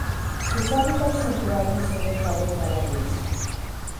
Sus hábitats naturales son los lagos de agua dulce.